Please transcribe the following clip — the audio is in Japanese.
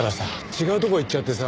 違うとこ行っちゃってさ。